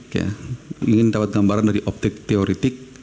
saya ingin dapat gambaran dari optik teoretik